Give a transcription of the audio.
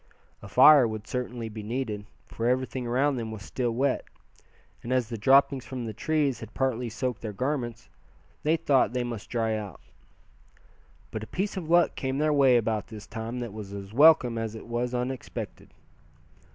A fire would certainly be needed, for everything around them was still wet; and as the droppings from the trees had partly soaked their garments, Thad thought they must dry out. But a piece of luck came their way about this time that was as welcome as it was unexpected.